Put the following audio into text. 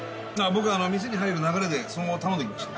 僕店に入る流れでそのまま頼んできました。